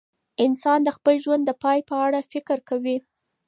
انسان د خپل ژوند د پای په اړه فکر کوي.